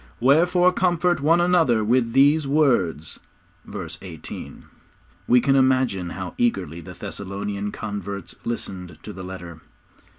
'Wherefore, comfort one another with these words.' (Verse 18.) We can imagine how eagerly the Thessalonian converts listened to the letter.